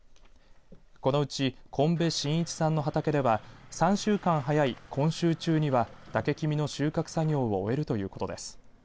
このうち今部真一さんの畑では３週間早い、今週中には嶽きみの収穫作業を終えるということです。